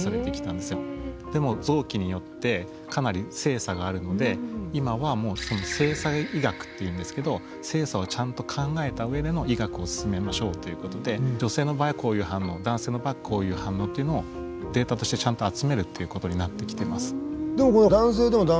でも臓器によってかなり性差があるので今は性差医学っていうんですけど性差をちゃんと考えた上での医学を進めましょうということで女性の場合はこういう反応男性の場合こういう反応っていうのをデータとしてちゃんと集めるっていうことになってきてます。